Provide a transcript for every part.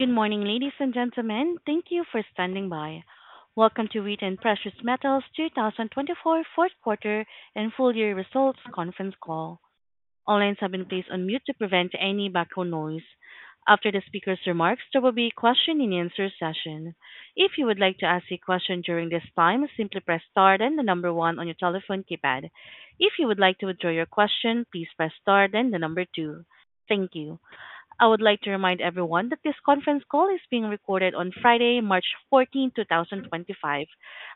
Good morning, ladies and gentlemen. Thank you for standing by. Welcome to Wheaton Precious Metals 2024 Fourth Quarter and Full Year Results Conference Call. All lines have been placed on mute to prevent any background noise. After the speaker's remarks, there will be a question-and-answer session. If you would like to ask a question during this time, simply press star and the number one on your telephone keypad. If you would like to withdraw your question, please press star and the number two. Thank you. I would like to remind everyone that this conference call is being recorded on Friday, March 14, 2025,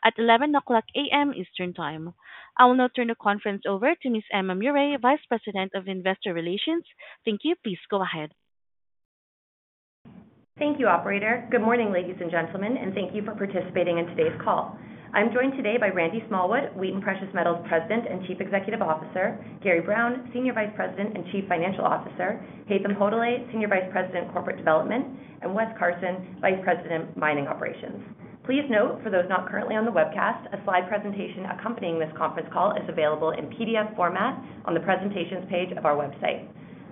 at 11:00 A.M. Eastern Time. I will now turn the conference over to Ms. Emma Murray, Vice President of Investor Relations. Thank you. Please go ahead. Thank you, Operator. Good morning, ladies and gentlemen, and thank you for participating in today's call. I'm joined today by Randy Smallwood, Wheaton Precious Metals President and Chief Executive Officer, Gary Brown, Senior Vice President and Chief Financial Officer, Haytham Hodaly, Senior Vice President Corporate Development, and Wes Carson, Vice President Mining Operations. Please note, for those not currently on the webcast, a slide presentation accompanying this conference call is available in PDF format on the presentations page of our website.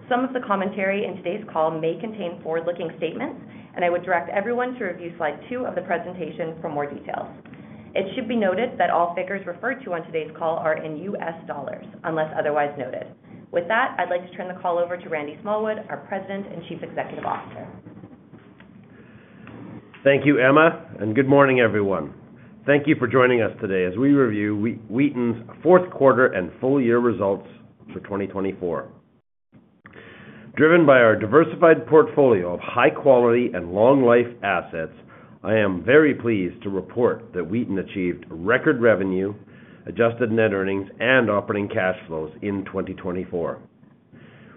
Some of the commentary in today's call may contain forward-looking statements, and I would direct everyone to review slide two of the presentation for more details. It should be noted that all figures referred to on today's call are in U.S. dollars, unless otherwise noted. With that, I'd like to turn the call over to Randy Smallwood, our President and Chief Executive Officer. Thank you, Emma, and good morning, everyone. Thank you for joining us today as we review Wheaton's fourth quarter and full year results for 2024. Driven by our diversified portfolio of high-quality and long-life assets, I am very pleased to report that Wheaton achieved record revenue, adjusted net earnings, and operating cash flows in 2024.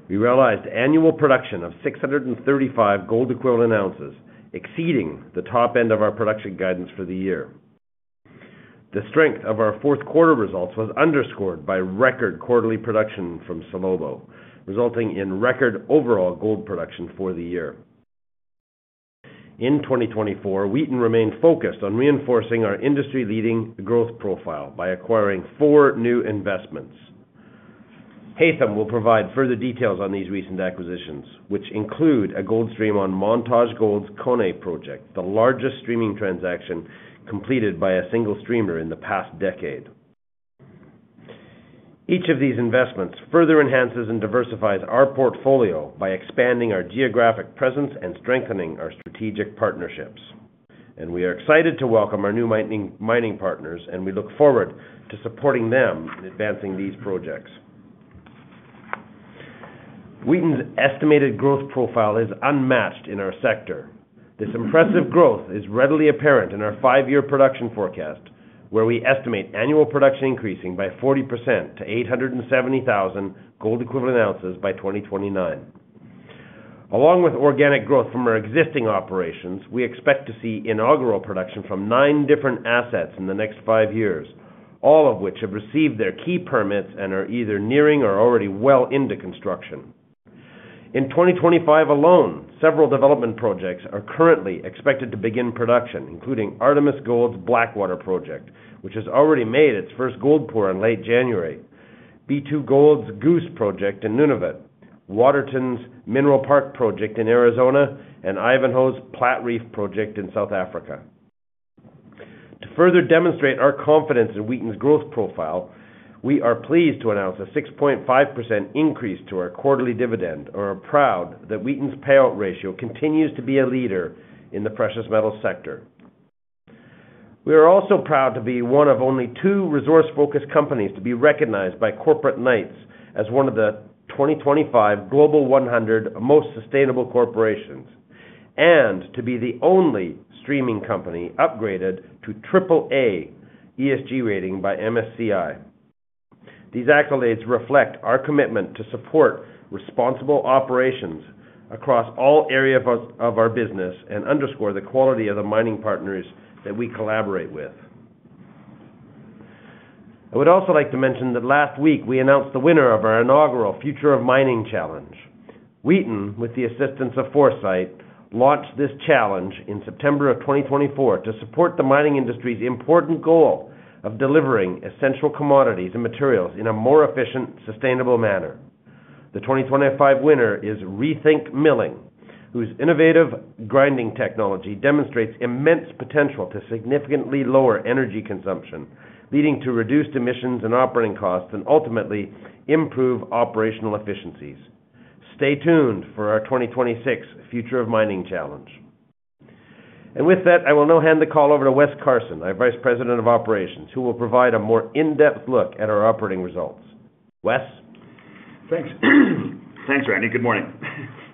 We realized annual production of 635,000 gold-equivalent ounces, exceeding the top end of our production guidance for the year. The strength of our fourth quarter results was underscored by record quarterly production from Salobo, resulting in record overall gold production for the year. In 2024, Wheaton remained focused on reinforcing our industry-leading growth profile by acquiring four new investments. Haytham will provide further details on these recent acquisitions, which include a gold stream on Montage Gold's Koné Project, the largest streaming transaction completed by a single streamer in the past decade. Each of these investments further enhances and diversifies our portfolio by expanding our geographic presence and strengthening our strategic partnerships. We are excited to welcome our new mining partners, and we look forward to supporting them in advancing these projects. Wheaton's estimated growth profile is unmatched in our sector. This impressive growth is readily apparent in our five-year production forecast, where we estimate annual production increasing by 40% to 870,000 Gold-Equivalent Ounces by 2029. Along with organic growth from our existing operations, we expect to see inaugural production from nine different assets in the next five years, all of which have received their key permits and are either nearing or already well into construction. In 2025 alone, several development projects are currently expected to begin production, including Artemis Gold's Blackwater Project, which has already made its first gold pour in late January, B2Gold's Goose Project in Nunavut, Waterton's Mineral Park Project in Arizona, and Ivanhoe's Platreef Project in South Africa. To further demonstrate our confidence in Wheaton's growth profile, we are pleased to announce a 6.5% increase to our quarterly dividend, and we are proud that Wheaton's payout ratio continues to be a leader in the precious metals sector. We are also proud to be one of only two resource-focused companies to be recognized by Corporate Knights as one of the 2025 Global 100 Most Sustainable Corporations and to be the only streaming company upgraded to AAA ESG rating by MSCI. These accolades reflect our commitment to support responsible operations across all areas of our business and underscore the quality of the mining partners that we collaborate with. I would also like to mention that last week we announced the winner of our inaugural Future of Mining Challenge. Wheaton, with the assistance of Foresight, launched this challenge in September of 2024 to support the mining industry's important goal of delivering essential commodities and materials in a more efficient, sustainable manner. The 2025 winner is Rethink Milling, whose innovative grinding technology demonstrates immense potential to significantly lower energy consumption, leading to reduced emissions and operating costs, and ultimately improve operational efficiencies. Stay tuned for our 2026 Future of Mining Challenge. With that, I will now hand the call over to Wes Carson, our Vice President of Operations, who will provide a more in-depth look at our operating results. Wes? Thanks. Thanks, Randy. Good morning.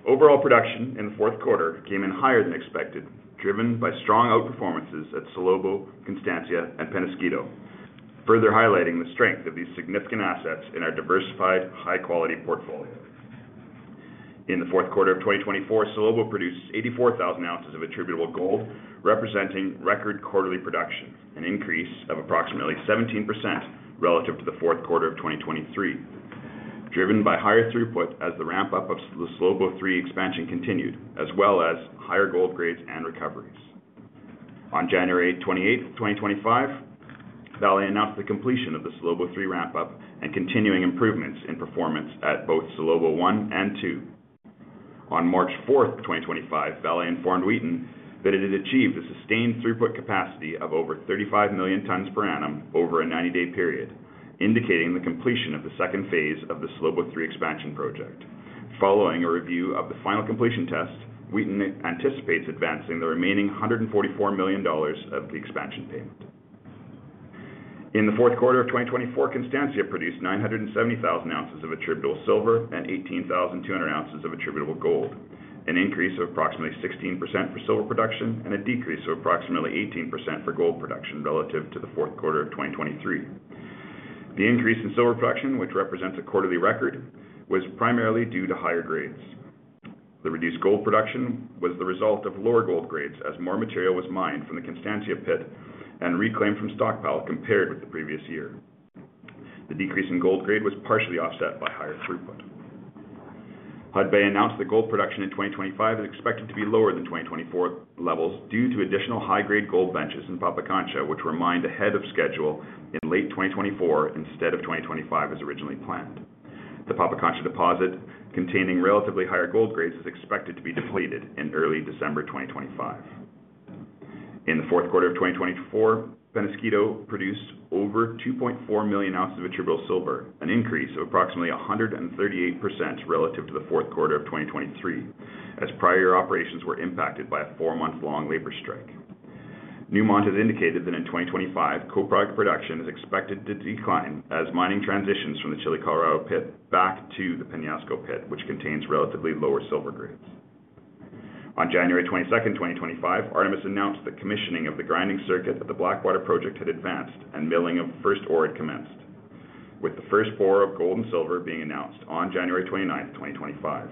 Overall production in the fourth quarter came in higher than expected, driven by strong outperformances at Salobo, Constancia, and Peñasquito, further highlighting the strength of these significant assets in our diversified, high-quality portfolio. In the fourth quarter of 2024, Salobo produced 84,000 ounces of attributable gold, representing record quarterly production, an increase of approximately 17% relative to the fourth quarter of 2023, driven by higher throughput as the ramp-up of the Salobo III expansion continued, as well as higher gold grades and recoveries. On January 28, 2025, Vale announced the completion of the Salobo III ramp-up and continuing improvements in performance at both Salobo I and II. On March 4, 2025, Vale informed Wheaton that it had achieved a sustained throughput capacity of over 35 million tons per annum over a 90-day period, indicating the completion of the second phase of the Salobo III expansion project. Following a review of the final completion test, Wheaton anticipates advancing the remaining $144 million of the expansion payment. In the fourth quarter of 2024, Constancia produced 970,000 ounces of attributable silver and 18,200 ounces of attributable gold, an increase of approximately 16% for silver production and a decrease of approximately 18% for gold production relative to the fourth quarter of 2023. The increase in silver production, which represents a quarterly record, was primarily due to higher grades. The reduced gold production was the result of lower gold grades, as more material was mined from the Constancia pit and reclaimed from stockpile compared with the previous year. The decrease in gold grade was partially offset by higher throughput. Hudbay announced that gold production in 2025 is expected to be lower than 2024 levels due to additional high-grade gold benches in Pampacancha, which were mined ahead of schedule in late 2024 instead of 2025 as originally planned. The Pampacancha deposit containing relatively higher gold grades is expected to be depleted in early December 2025. In the fourth quarter of 2024, Peñasquito produced over 2.4 million ounces of attributable silver, an increase of approximately 138% relative to the fourth quarter of 2023, as prior operations were impacted by a four-month-long labor strike. Newmont has indicated that in 2025, co-product production is expected to decline as mining transitions from the Chile, Colorado pit back to the Peñasco pit, which contains relatively lower silver grades. On January 22, 2025, Artemis announced the commissioning of the grinding circuit of the Blackwater Project had advanced, and milling of first ore had commenced, with the first pour of gold and silver being announced on January 29, 2025.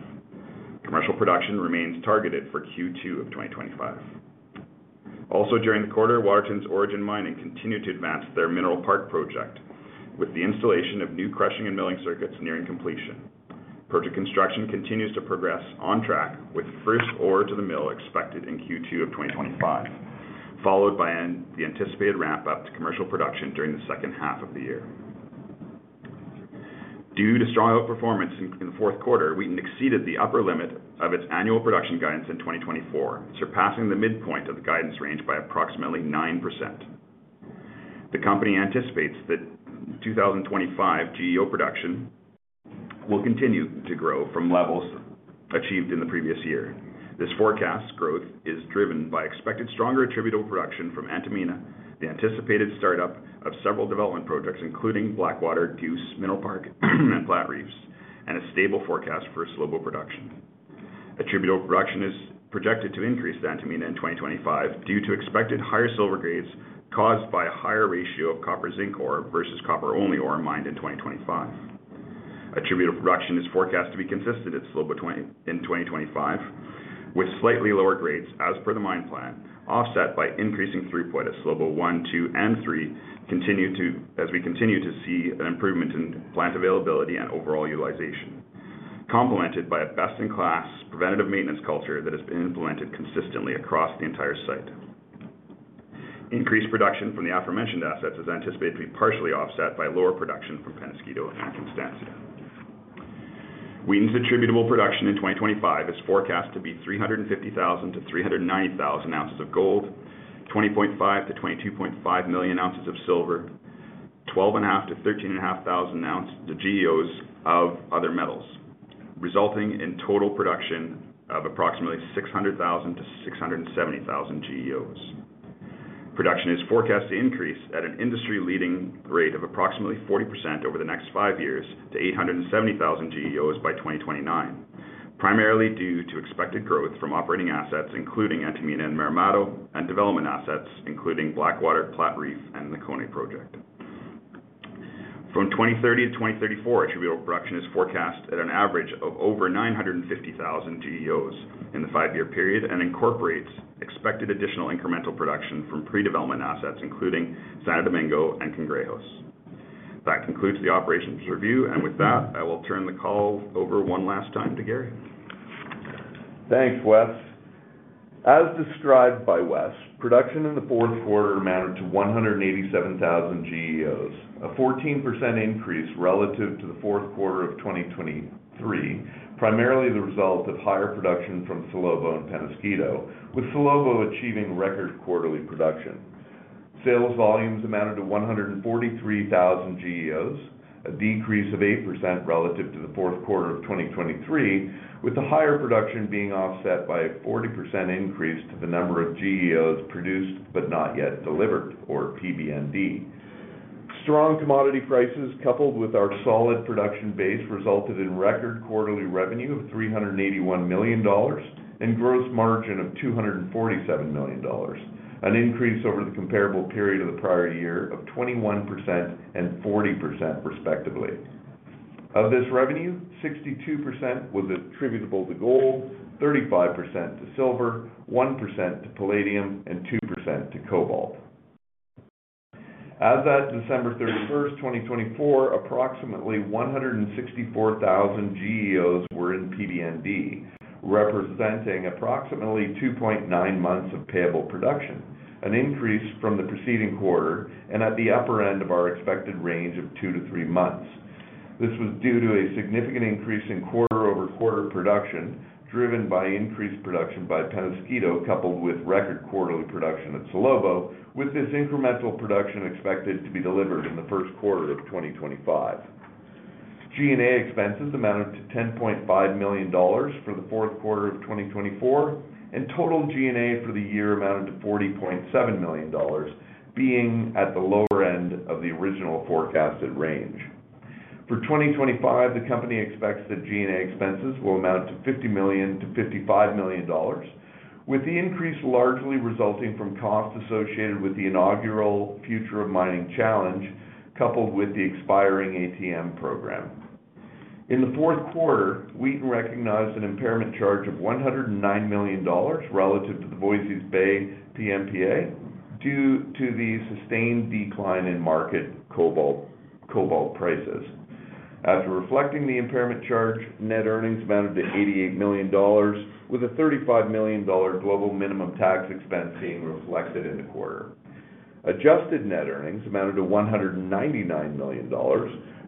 Commercial production remains targeted for Q2 of 2025. Also, during the quarter, Waterton's Origin Mining continued to advance their Mineral Park Project with the installation of new crushing and milling circuits nearing completion. Project construction continues to progress on track, with first ore to the mill expected in Q2 of 2025, followed by the anticipated ramp-up to commercial production during the second half of the year. Due to strong outperformance in the fourth quarter, Wheaton exceeded the upper limit of its annual production guidance in 2024, surpassing the midpoint of the guidance range by approximately 9%. The company anticipates that 2025 GEO production will continue to grow from levels achieved in the previous year. This forecast growth is driven by expected stronger attributable production from Antamina, the anticipated startup of several development projects, including Blackwater, Goose, Mineral Park, and Platreef, and a stable forecast for Salobo production. Attributable production is projected to increase at Antamina in 2025 due to expected higher silver grades caused by a higher ratio of copper-zinc ore versus copper-only ore mined in 2025. Attributable production is forecast to be consistent at Salobo in 2025, with slightly lower grades, as per the mine plan, offset by increasing throughput as Salobo I, II, and III continue to, as we continue to see an improvement in plant availability and overall utilization, complemented by a best-in-class preventative maintenance culture that has been implemented consistently across the entire site. Increased production from the aforementioned assets is anticipated to be partially offset by lower production from Peñasquito and Constancia. Wheaton's attributable production in 2025 is forecast to be 350,000-390,000 ounces of gold, 20.5-22.5 million ounces of silver, 12,500-13,500 ounces of GEOs of other metals, resulting in total production of approximately 600,000-670,000 GEOs. Production is forecast to increase at an industry-leading rate of approximately 40% over the next five years to 870,000 GEOs by 2029, primarily due to expected growth from operating assets, including Antamina and Marmato, and development assets, including Blackwater, Platreef, and the Koné project. From 2030 to 2034, attributable production is forecast at an average of over 950,000 GEOs in the five-year period and incorporates expected additional incremental production from pre-development assets, including Santo Domingo and Cangrejos. That concludes the operations review, and with that, I will turn the call over one last time to Gary. Thanks, Wes. As described by Wes, production in the fourth quarter amounted to 187,000 GEOs, a 14% increase relative to the fourth quarter of 2023, primarily the result of higher production from Salobo and Peñasquito, with Salobo achieving record quarterly production. Sales volumes amounted to 143,000 GEOs, a decrease of 8% relative to the fourth quarter of 2023, with the higher production being offset by a 40% increase to the number of GEOs produced but not yet delivered, or PBND. Strong commodity prices, coupled with our solid production base, resulted in record quarterly revenue of $381 million and gross margin of $247 million, an increase over the comparable period of the prior year of 21% and 40%, respectively. Of this revenue, 62% was attributable to gold, 35% to silver, 1% to palladium, and 2% to cobalt. As of December 31, 2024, approximately 164,000 GEOs were in PBND, representing approximately 2.9 months of payable production, an increase from the preceding quarter and at the upper end of our expected range of two to three months. This was due to a significant increase in quarter-over-quarter production, driven by increased production by Peñasquito, coupled with record quarterly production at Salobo, with this incremental production expected to be delivered in the first quarter of 2025. G&A expenses amounted to $10.5 million for the fourth quarter of 2024, and total G&A for the year amounted to $40.7 million, being at the lower end of the original forecasted range. For 2025, the company expects that G&A expenses will amount to $50 million-$55 million, with the increase largely resulting from costs associated with the inaugural Future of Mining Challenge, coupled with the expiring ATM program. In the fourth quarter, Wheaton recognized an impairment charge of $109 million relative to the Voisey's Bay PMPA due to the sustained decline in market cobalt prices. After reflecting the impairment charge, net earnings amounted to $88 million, with a $35 million global minimum tax expense being reflected in the quarter. Adjusted net earnings amounted to $199 million,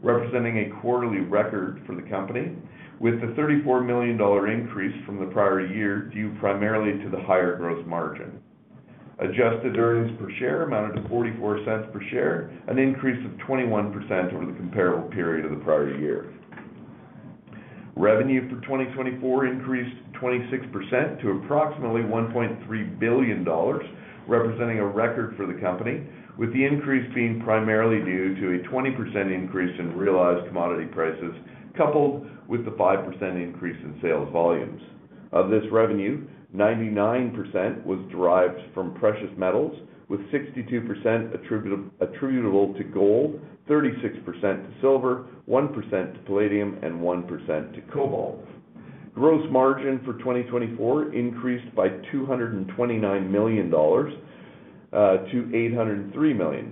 representing a quarterly record for the company, with the $34 million increase from the prior year due primarily to the higher gross margin. Adjusted earnings per share amounted to $0.44 per share, an increase of 21% over the comparable period of the prior year. Revenue for 2024 increased 26% to approximately $1.3 billion, representing a record for the company, with the increase being primarily due to a 20% increase in realized commodity prices, coupled with the 5% increase in sales volumes. Of this revenue, 99% was derived from precious metals, with 62% attributable to gold, 36% to silver, 1% to palladium, and 1% to cobalt. Gross margin for 2024 increased by $229 million to $803 million.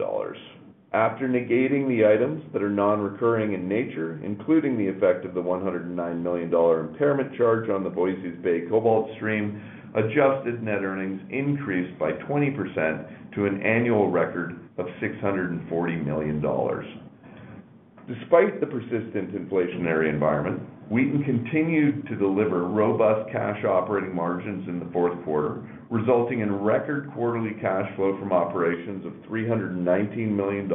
After negating the items that are non-recurring in nature, including the effect of the $109 million impairment charge on the Voisey's Bay Cobalt Stream, adjusted net earnings increased by 20% to an annual record of $640 million. Despite the persistent inflationary environment, Wheaton continued to deliver robust cash operating margins in the fourth quarter, resulting in record quarterly cash flow from operations of $319 million,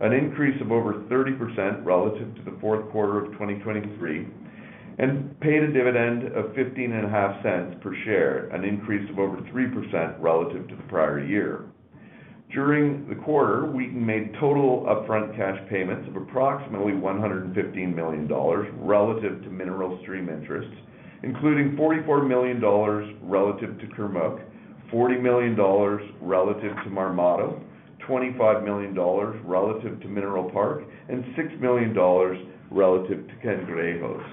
an increase of over 30% relative to the fourth quarter of 2023, and paid a dividend of $0.155 per share, an increase of over 3% relative to the prior year. During the quarter, Wheaton made total upfront cash payments of approximately $115 million relative to Mineral Stream Interest, including $44 million relative to Kurmuk, $40 million relative to Marmato, $25 million relative to Mineral Park, and $6 million relative to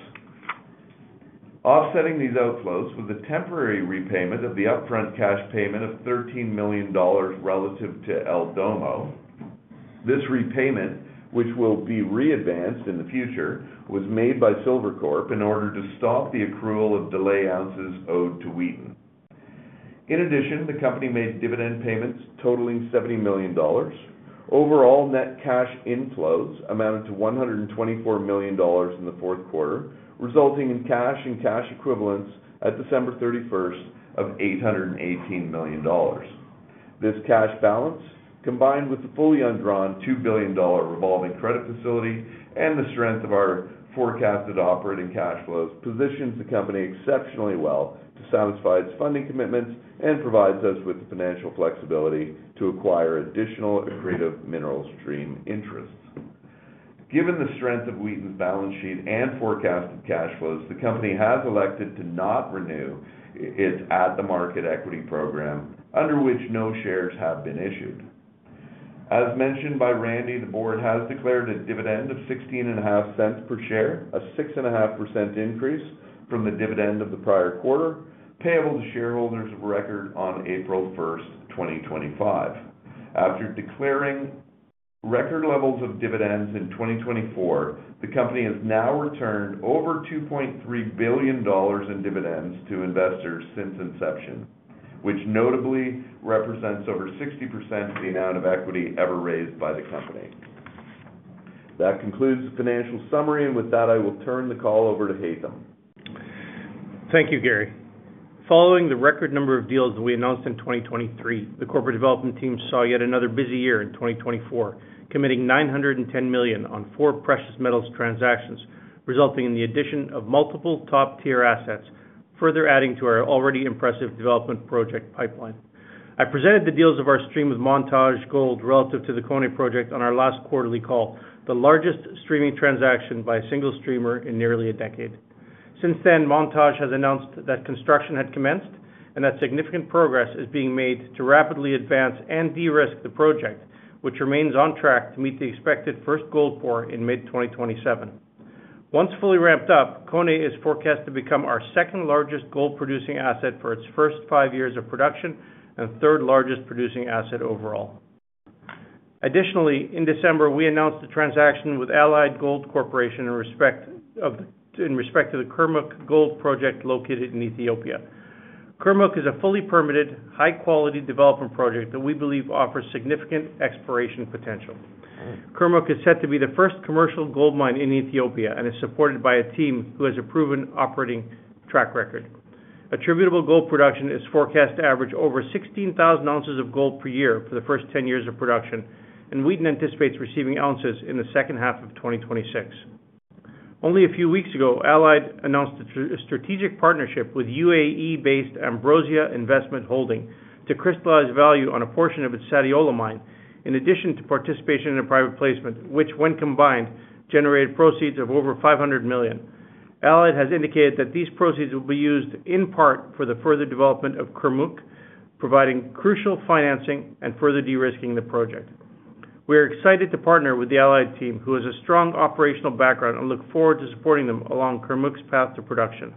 Cangrejos. Offsetting these outflows was a temporary repayment of the upfront cash payment of $13 million relative to El Domo. This repayment, which will be re-advanced in the future, was made by Silvercorp Metals in order to stop the accrual of delayed ounces owed to Wheaton. In addition, the company made dividend payments totaling $70 million. Overall net cash inflows amounted to $124 million in the fourth quarter, resulting in cash and cash equivalents at December 31 of $818 million. This cash balance, combined with the fully undrawn $2 billion revolving credit facility and the strength of our forecasted operating cash flows, positions the company exceptionally well to satisfy its funding commitments and provides us with the financial flexibility to acquire additional attributable Mineral Stream Interest. Given the strength of Wheaton's balance sheet and forecasted cash flows, the company has elected to not renew its at-the-market equity program, under which no shares have been issued. As mentioned by Randy, the board has declared a dividend of $0.165 per share, a 6.5% increase from the dividend of the prior quarter, payable to shareholders of record on April 1, 2025. After declaring record levels of dividends in 2024, the company has now returned over $2.3 billion in dividends to investors since inception, which notably represents over 60% of the amount of equity ever raised by the company. That concludes the financial summary, and with that, I will turn the call over to Haytham. Thank you, Gary. Following the record number of deals that we announced in 2023, the corporate development team saw yet another busy year in 2024, committing $910 million on four precious metals transactions, resulting in the addition of multiple top-tier assets, further adding to our already impressive development project pipeline. I presented the deals of our stream with Montage Gold relative to the Koné project on our last quarterly call, the largest streaming transaction by a single streamer in nearly a decade. Since then, Montage has announced that construction had commenced and that significant progress is being made to rapidly advance and de-risk the project, which remains on track to meet the expected first gold pour in mid-2027. Once fully ramped up, Koné is forecast to become our second largest gold-producing asset for its first five years of production and third largest producing asset overall. Additionally, in December, we announced the transaction with Allied Gold Corporation in respect of the Kurmuk gold project located in Ethiopia. Kurmuk is a fully permitted, high-quality development project that we believe offers significant exploration potential. Kurmuk is set to be the first commercial gold mine in Ethiopia and is supported by a team who has a proven operating track record. Attributable gold production is forecast to average over 16,000 ounces of gold per year for the first 10 years of production, and Wheaton anticipates receiving ounces in the second half of 2026. Only a few weeks ago, Allied announced a strategic partnership with UAE-based Ambrosia Investment Holding to crystallize value on a portion of its Sadiola mine, in addition to participation in a private placement, which, when combined, generated proceeds of over $500 million. Allied has indicated that these proceeds will be used in part for the further development of Kurmuk, providing crucial financing and further de-risking the project. We are excited to partner with the Allied team, who has a strong operational background, and look forward to supporting them along Kurmuk's path to production.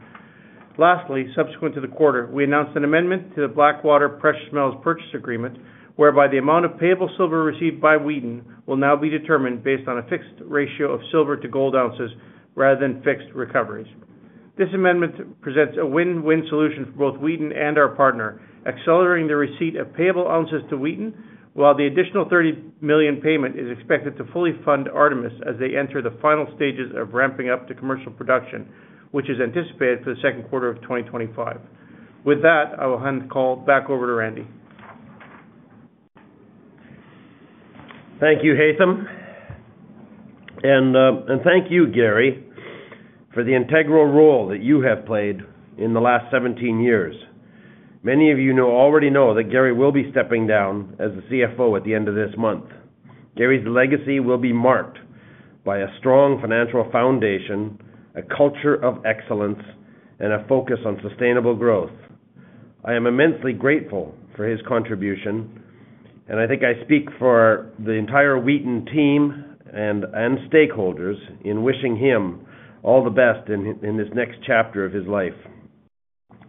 Lastly, subsequent to the quarter, we announced an amendment to the Blackwater Precious Metals Purchase Agreement, whereby the amount of payable silver received by Wheaton will now be determined based on a fixed ratio of silver to gold ounces rather than fixed recoveries. This amendment presents a win-win solution for both Wheaton and our partner, accelerating the receipt of payable ounces to Wheaton, while the additional $30 million payment is expected to fully fund Artemis as they enter the final stages of ramping up to commercial production, which is anticipated for the second quarter of 2025. With that, I will hand the call back over to Randy. Thank you, Haytham. Thank you, Gary, for the integral role that you have played in the last 17 years. Many of you already know that Gary will be stepping down as the CFO at the end of this month. Gary's legacy will be marked by a strong financial foundation, a culture of excellence, and a focus on sustainable growth. I am immensely grateful for his contribution, and I think I speak for the entire Wheaton team and stakeholders in wishing him all the best in this next chapter of his life.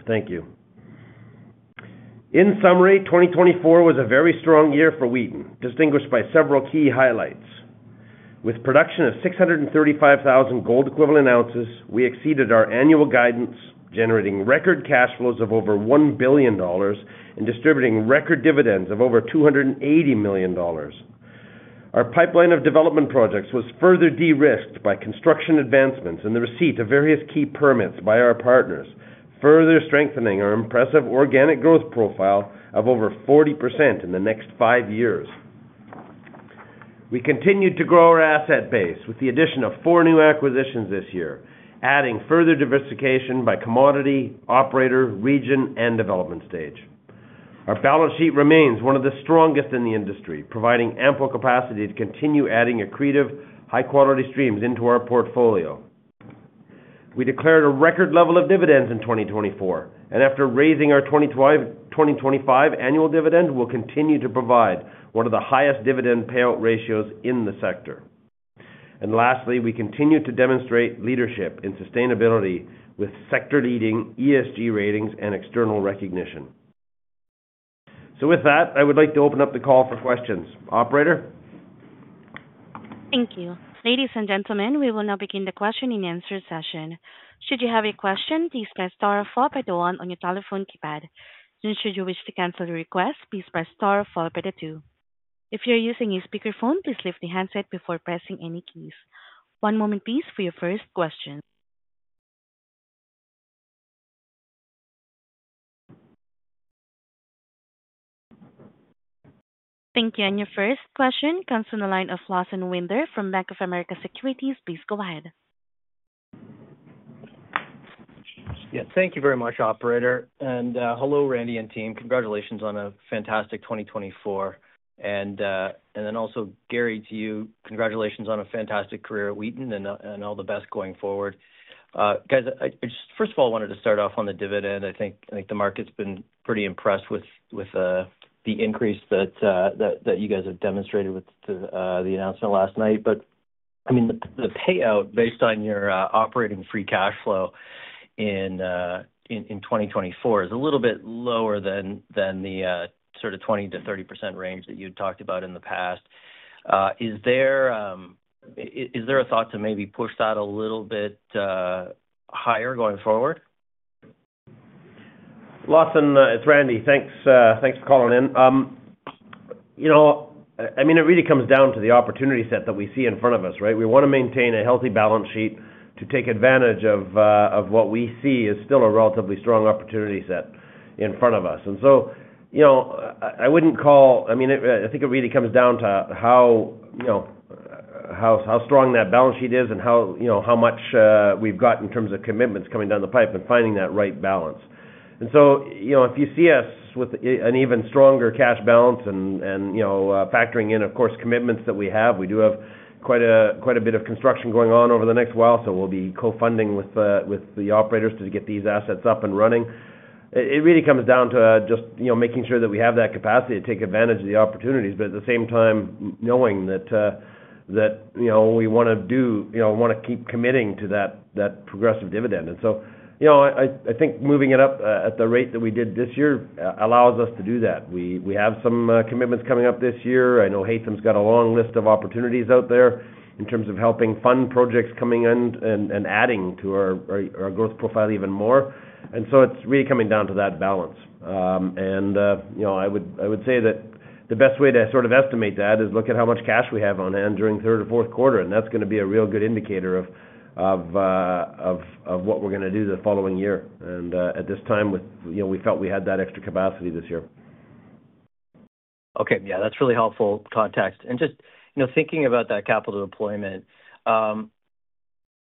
Thank you. In summary, 2024 was a very strong year for Wheaton, distinguished by several key highlights. With production of 635,000 gold-equivalent ounces, we exceeded our annual guidance, generating record cash flows of over $1 billion and distributing record dividends of over $280 million. Our pipeline of development projects was further de-risked by construction advancements and the receipt of various key permits by our partners, further strengthening our impressive organic growth profile of over 40% in the next five years. We continued to grow our asset base with the addition of four new acquisitions this year, adding further diversification by commodity, operator, region, and development stage. Our balance sheet remains one of the strongest in the industry, providing ample capacity to continue adding accretive, high-quality streams into our portfolio. We declared a record level of dividends in 2024, and after raising our 2025 annual dividend, we will continue to provide one of the highest dividend payout ratios in the sector. Lastly, we continue to demonstrate leadership in sustainability with sector-leading ESG ratings and external recognition. I would like to open up the call for questions. Operator? Thank you. Ladies and gentlemen, we will now begin the question and answer session. Should you have a question, please press star followed by the one on your telephone keypad. Should you wish to cancel your request, please press star followed by the two. If you're using a speakerphone, please lift the handset before pressing any keys. One moment, please, for your first question. Thank you. Your first question comes from the line of Lawson Winder from Bank of America Securities. Please go ahead. Yeah. Thank you very much, Operator. Hello, Randy and team. Congratulations on a fantastic 2024. Also, Gary, to you, congratulations on a fantastic career at Wheaton and all the best going forward. Guys, I just, first of all, wanted to start off on the dividend. I think the market's been pretty impressed with the increase that you guys have demonstrated with the announcement last night. I mean, the payout based on your operating free cash flow in 2024 is a little bit lower than the sort of 20-30% range that you'd talked about in the past. Is there a thought to maybe push that a little bit higher going forward? Lawson, it's Randy. Thanks for calling in. I mean, it really comes down to the opportunity set that we see in front of us, right? We want to maintain a healthy balance sheet to take advantage of what we see is still a relatively strong opportunity set in front of us. I wouldn't call, I mean, I think it really comes down to how strong that balance sheet is and how much we've got in terms of commitments coming down the pipe and finding that right balance. If you see us with an even stronger cash balance and factoring in, of course, commitments that we have, we do have quite a bit of construction going on over the next while, so we'll be co-funding with the operators to get these assets up and running. It really comes down to just making sure that we have that capacity to take advantage of the opportunities, but at the same time, knowing that we want to do we want to keep committing to that progressive dividend. I think moving it up at the rate that we did this year allows us to do that. We have some commitments coming up this year. I know Haytham's got a long list of opportunities out there in terms of helping fund projects coming in and adding to our growth profile even more. It is really coming down to that balance. I would say that the best way to sort of estimate that is look at how much cash we have on hand during third or fourth quarter, and that's going to be a real good indicator of what we're going to do the following year. At this time, we felt we had that extra capacity this year. Okay. Yeah. That's really helpful context. Just thinking about that capital deployment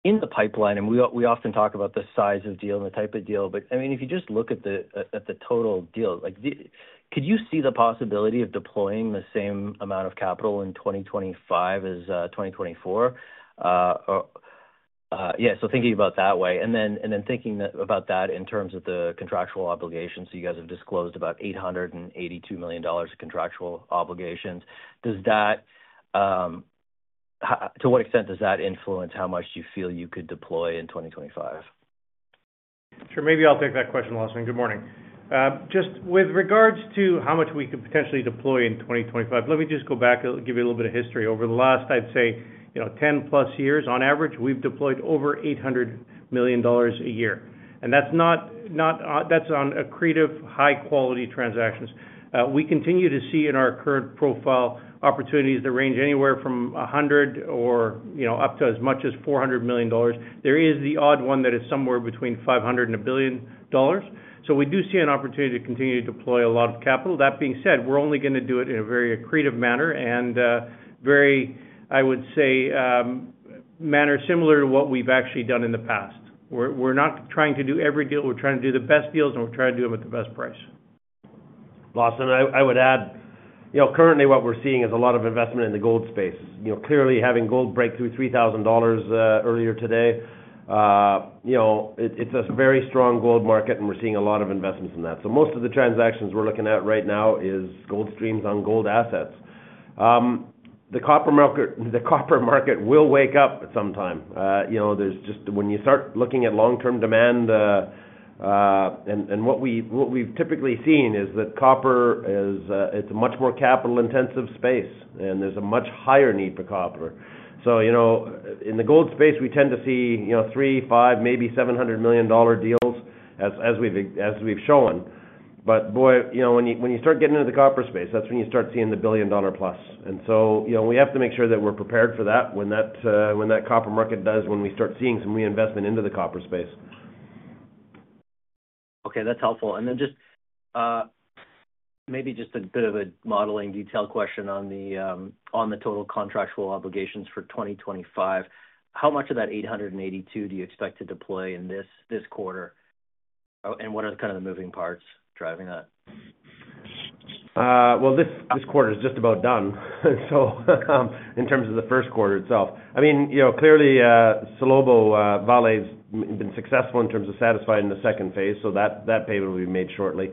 in the pipeline, and we often talk about the size of deal and the type of deal, but I mean, if you just look at the total deal, could you see the possibility of deploying the same amount of capital in 2025 as 2024? Yeah. Thinking about that way, and then thinking about that in terms of the contractual obligations, you guys have disclosed about $882 million of contractual obligations. To what extent does that influence how much you feel you could deploy in 2025? Sure. Maybe I'll take that question, Lawson. Good morning. Just with regards to how much we could potentially deploy in 2025, let me just go back and give you a little bit of history. Over the last, I'd say, 10-plus years, on average, we've deployed over $800 million a year. That's on accretive, high-quality transactions. We continue to see in our current profile opportunities that range anywhere from $100 million or up to as much as $400 million. There is the odd one that is somewhere between $500 million and $1 billion. We do see an opportunity to continue to deploy a lot of capital. That being said, we're only going to do it in a very accretive manner and very, I would say, manner similar to what we've actually done in the past. We're not trying to do every deal. We're trying to do the best deals, and we're trying to do them at the best price. Lawson, I would add, currently, what we're seeing is a lot of investment in the gold space. Clearly, having gold break through $3,000 earlier today, it's a very strong gold market, and we're seeing a lot of investments in that. Most of the transactions we're looking at right now are gold streams on gold assets. The copper market will wake up at some time. When you start looking at long-term demand, and what we've typically seen is that copper is a much more capital-intensive space, and there's a much higher need for copper. In the gold space, we tend to see $300 million, $500 million, maybe $700 million deals, as we've shown. Boy, when you start getting into the copper space, that's when you start seeing the billion-dollar plus. We have to make sure that we're prepared for that when that copper market does, when we start seeing some reinvestment into the copper space. Okay. That's helpful. Maybe just a bit of a modeling detail question on the total contractual obligations for 2025. How much of that $882 million do you expect to deploy in this quarter? What are kind of the moving parts driving that? This quarter is just about done, so in terms of the first quarter itself. I mean, clearly, Salobo Vale has been successful in terms of satisfying the second phase, so that payment will be made shortly.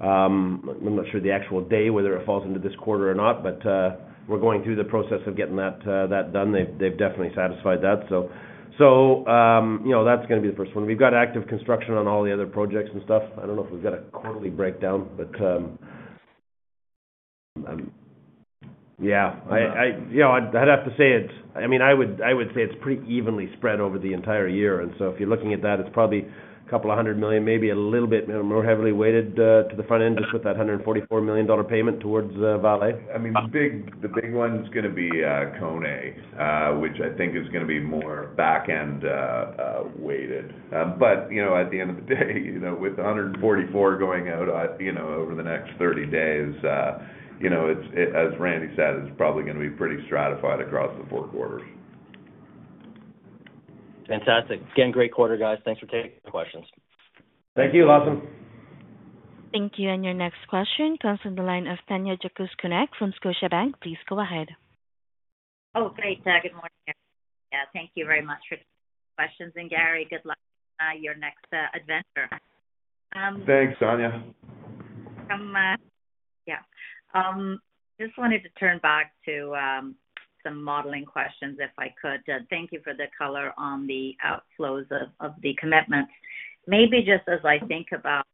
I'm not sure the actual day, whether it falls into this quarter or not, but we're going through the process of getting that done. They've definitely satisfied that. That's going to be the first one. We've got active construction on all the other projects and stuff. I don't know if we've got a quarterly breakdown, but yeah. I'd have to say it's, I mean, I would say it's pretty evenly spread over the entire year. If you're looking at that, it's probably a couple of hundred million, maybe a little bit more heavily weighted to the front end, just with that $144 million payment towards Vale. I mean, the big one's going to be Koné, which I think is going to be more back-end weighted. At the end of the day, with $144 million going out over the next 30 days, as Randy said, it's probably going to be pretty stratified across the four quarters. Fantastic. Again, great quarter, guys. Thanks for taking the questions. Thank you, Lawson. Thank you. Your next question comes from the line of Tanya Jakusconek from Scotiabank. Please go ahead. Oh, great. Good morning, everyone. Thank you very much for the questions. Gary, good luck with your next adventure. Thanks, Tanya. Yeah. I just wanted to turn back to some modeling questions, if I could. Thank you for the color on the outflows of the commitments. Maybe just as I think about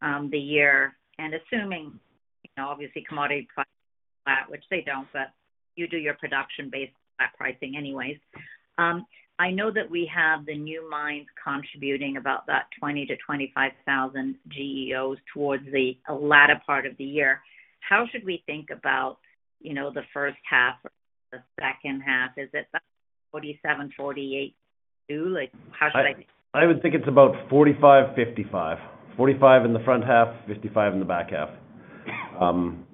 the year and assuming, obviously, commodity pricing flat, which they do not, but you do your production-based flat pricing anyways. I know that we have the new mines contributing about that 20,000-25,000 GEOs towards the latter part of the year. How should we think about the first half or the second half? Is it 47, 48, 2? How should I think? I would think it's about 45%, 55%. 45% in the front half, 55% in the back half. Again,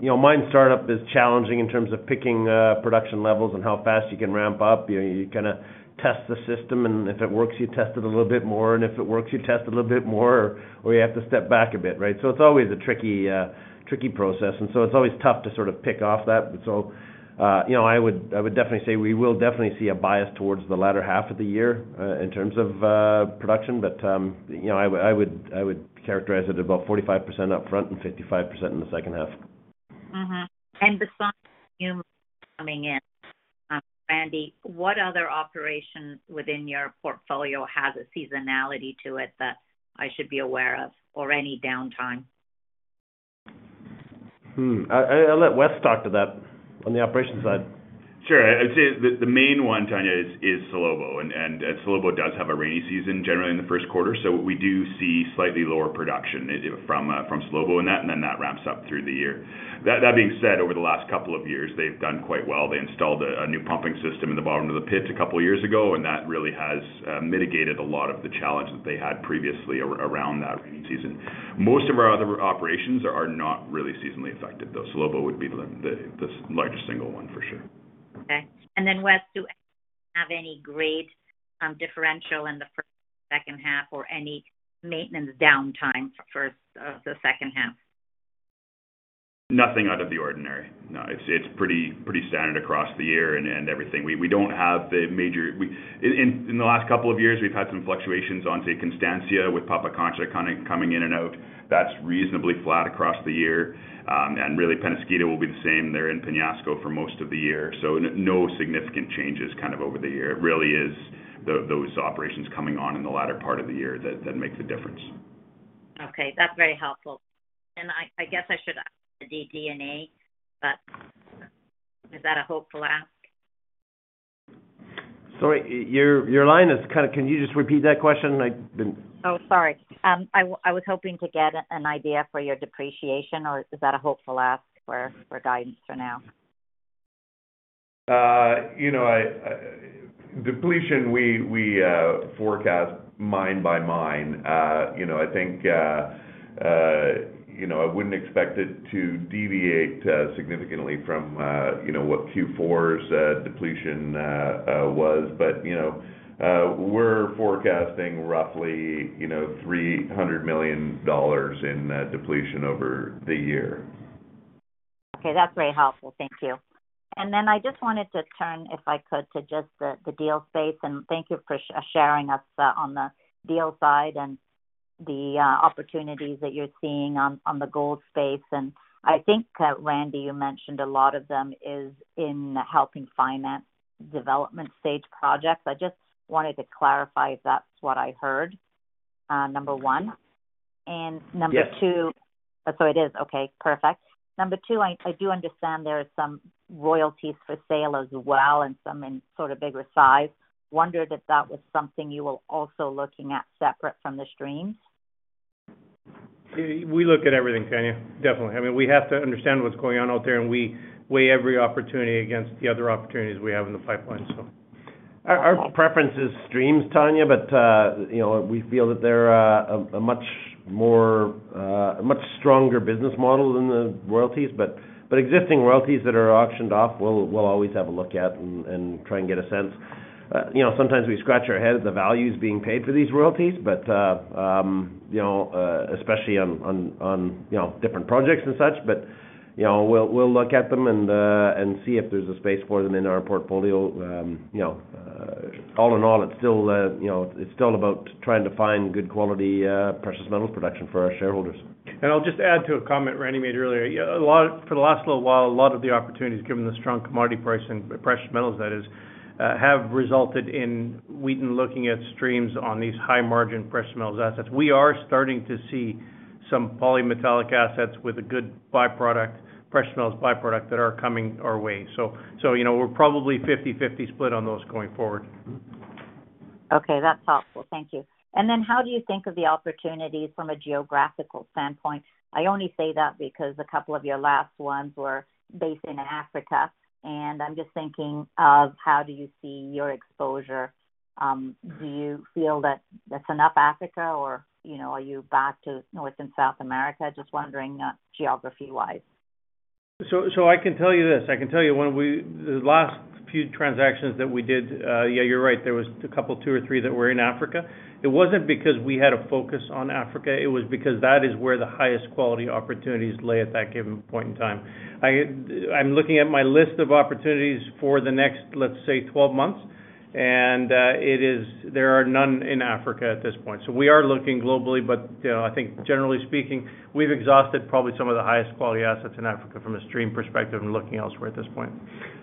mine startup is challenging in terms of picking production levels and how fast you can ramp up. You kind of test the system, and if it works, you test it a little bit more. If it works, you test a little bit more, or you have to step back a bit, right? It is always a tricky process. It is always tough to sort of pick off that. I would definitely say we will definitely see a bias towards the latter half of the year in terms of production, but I would characterize it about 45% upfront and 55% in the second half. Besides you coming in, Randy, what other operation within your portfolio has a seasonality to it that I should be aware of, or any downtime? I'll let Wes talk to that on the operation side. Sure. I'd say the main one, Tanya, is Salobo. Salobo does have a rainy season generally in the first quarter, so we do see slightly lower production from Salobo in that, and then that ramps up through the year. That being said, over the last couple of years, they've done quite well. They installed a new pumping system in the bottom of the pit a couple of years ago, and that really has mitigated a lot of the challenge that they had previously around that rainy season. Most of our other operations are not really seasonally affected, though. Salobo would be the largest single one, for sure. Okay. Wes, do you have any grade differential in the first and second half or any maintenance downtime for the second half? Nothing out of the ordinary. No. It's pretty standard across the year and everything. We don't have the major in the last couple of years, we've had some fluctuations onto Constancia with Papa Concha coming in and out. That's reasonably flat across the year. Really, Peñasquito will be the same there in Peñasquito for most of the year. No significant changes kind of over the year. It really is those operations coming on in the latter part of the year that make the difference. Okay. That's very helpful. I guess I should ask the DD&A, but is that a hopeful ask? Sorry. Your line is kind of can you just repeat that question? I've been. Oh, sorry. I was hoping to get an idea for your depreciation. Is that a hopeful ask for guidance for now? Depletion, we forecast mine by mine. I think I wouldn't expect it to deviate significantly from what Q4's depletion was, but we're forecasting roughly $300 million in depletion over the year. Okay. That's very helpful. Thank you. I just wanted to turn, if I could, to just the deal space. Thank you for sharing with us on the deal side and the opportunities that you're seeing on the gold space. I think, Randy, you mentioned a lot of them is in helping finance development-stage projects. I just wanted to clarify if that's what I heard, number one. Number two. Yes. It is. Okay. Perfect. Number two, I do understand there are some royalties for sale as well and some in sort of bigger size. Wondered if that was something you were also looking at separate from the streams? We look at everything, Tanya. Definitely. I mean, we have to understand what's going on out there, and we weigh every opportunity against the other opportunities we have in the pipeline. Our preference is streams, Tanya, but we feel that they're a much stronger business model than the royalties. Existing royalties that are auctioned off, we'll always have a look at and try and get a sense. Sometimes we scratch our head at the values being paid for these royalties, especially on different projects and such, but we'll look at them and see if there's a space for them in our portfolio. All in all, it's still about trying to find good-quality precious metals production for our shareholders. I'll just add to a comment Randy made earlier. For the last little while, a lot of the opportunities, given the strong commodity pricing of precious metals, that is, have resulted in we've been looking at streams on these high-margin precious metals assets. We are starting to see some polymetallic assets with a good byproduct, precious metals byproduct that are coming our way. So we're probably 50/50 split on those going forward. Okay. That's helpful. Thank you. How do you think of the opportunities from a geographical standpoint? I only say that because a couple of your last ones were based in Africa, and I'm just thinking of how do you see your exposure? Do you feel that that's enough Africa, or are you back to North and South America? Just wondering geography-wise. I can tell you this. I can tell you when we, the last few transactions that we did, yeah, you're right. There was a couple, two or three that were in Africa. It wasn't because we had a focus on Africa. It was because that is where the highest quality opportunities lay at that given point in time. I'm looking at my list of opportunities for the next, let's say, 12 months, and there are none in Africa at this point. We are looking globally, but I think, generally speaking, we've exhausted probably some of the highest quality assets in Africa from a stream perspective and looking elsewhere at this point.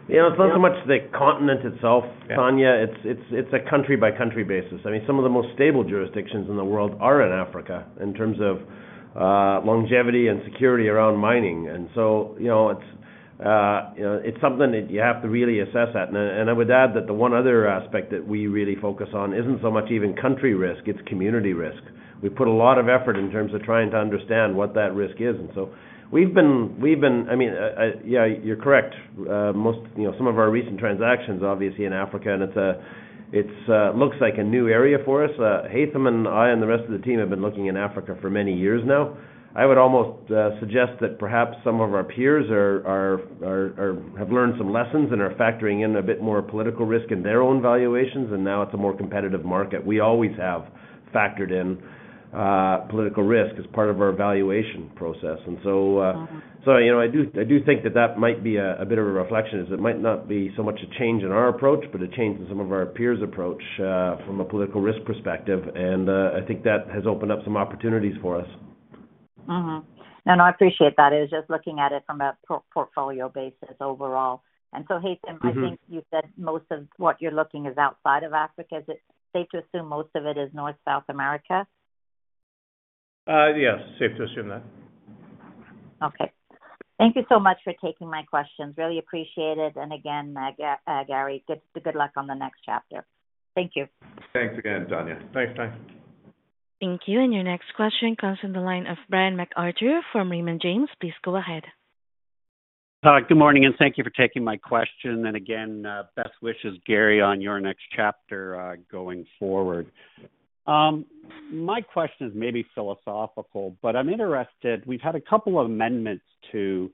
Yeah. It's not so much the continent itself, Tanya. It's a country-by-country basis. I mean, some of the most stable jurisdictions in the world are in Africa in terms of longevity and security around mining. You have to really assess that. I would add that the one other aspect that we really focus on isn't so much even country risk. It's community risk. We put a lot of effort in terms of trying to understand what that risk is. We've been, I mean, yeah, you're correct. Some of our recent transactions, obviously, in Africa, and it looks like a new area for us. Haytham and I and the rest of the team have been looking in Africa for many years now. I would almost suggest that perhaps some of our peers have learned some lessons and are factoring in a bit more political risk in their own valuations, and now it's a more competitive market. We always have factored in political risk as part of our valuation process. I do think that that might be a bit of a reflection, as it might not be so much a change in our approach, but a change in some of our peers' approach from a political risk perspective. I think that has opened up some opportunities for us. I appreciate that. It was just looking at it from a portfolio basis overall. Haytham, I think you said most of what you're looking is outside of Africa. Is it safe to assume most of it is North South America? Yes. Safe to assume that. Okay. Thank you so much for taking my questions. Really appreciate it. Again, Gary, good luck on the next chapter. Thank you. Thanks again, Tanya. Thanks, Tanya. Thank you. Your next question comes from the line of Brian MacArthur from Raymond James. Please go ahead. Good morning, and thank you for taking my question. Again, best wishes, Gary, on your next chapter going forward. My question is maybe philosophical, but I'm interested. We've had a couple of amendments to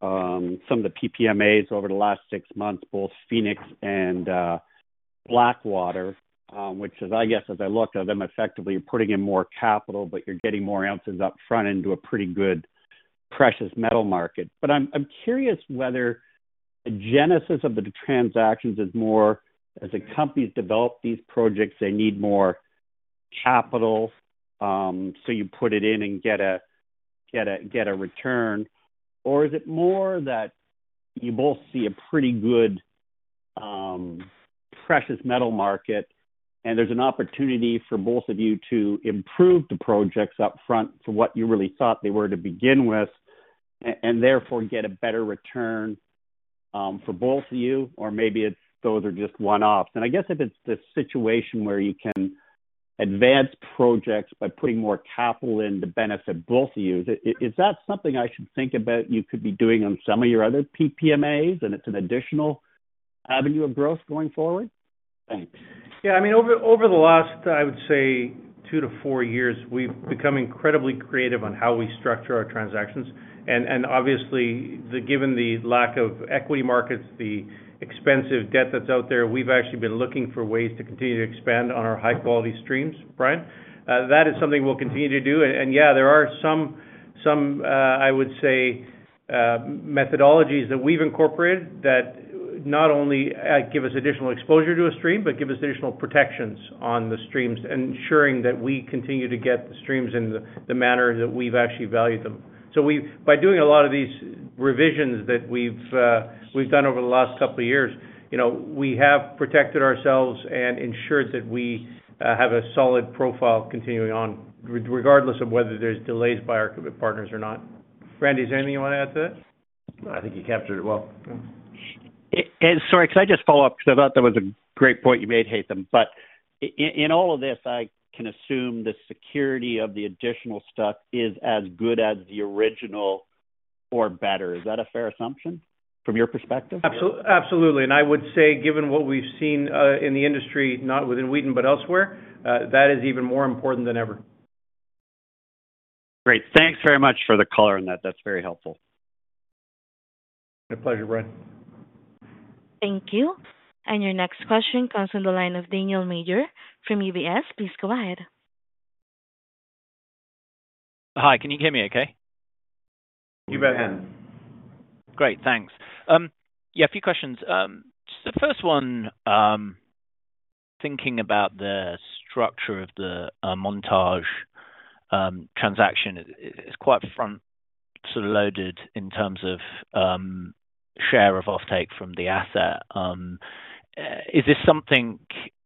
some of the PMPAs over the last six months, both Fenix and Blackwater, which is, I guess, as I looked at them, effectively you're putting in more capital, but you're getting more ounces upfront into a pretty good precious metal market. I'm curious whether the genesis of the transactions is more as the companies develop these projects, they need more capital so you put it in and get a return, or is it more that you both see a pretty good precious metal market and there's an opportunity for both of you to improve the projects upfront for what you really thought they were to begin with and therefore get a better return for both of you, or maybe those are just one-offs? I guess if it's the situation where you can advance projects by putting more capital in to benefit both of you, is that something I should think about you could be doing on some of your other PMPAs, and it's an additional avenue of growth going forward? Thanks. Yeah. I mean, over the last, I would say, two to four years, we've become incredibly creative on how we structure our transactions. Obviously, given the lack of equity markets, the expensive debt that's out there, we've actually been looking for ways to continue to expand on our high-quality streams. Brian, that is something we'll continue to do. Yeah, there are some, I would say, methodologies that we've incorporated that not only give us additional exposure to a stream, but give us additional protections on the streams, ensuring that we continue to get the streams in the manner that we've actually valued them. By doing a lot of these revisions that we've done over the last couple of years, we have protected ourselves and ensured that we have a solid profile continuing on, regardless of whether there's delays by our partners or not. Randy, is there anything you want to add to that? I think you captured it well. Sorry, can I just follow up? Because I thought that was a great point you made, Haytham. In all of this, I can assume the security of the additional stuff is as good as the original or better. Is that a fair assumption from your perspective? Absolutely. I would say, given what we've seen in the industry, not within Wheaton, but elsewhere, that is even more important than ever. Great. Thanks very much for the color on that. That's very helpful. My pleasure, Brian. Thank you. Your next question comes from the line of Daniel Major from UBS. Please go ahead. Hi. Can you hear me okay? You. Great. Thanks. Yeah, a few questions. The first one, thinking about the structure of the Montage transaction, it's quite front-loaded in terms of share of offtake from the asset. Is this something,